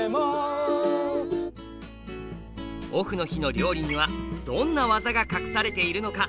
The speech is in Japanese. オフの日の料理にはどんな「技」が隠されているのか？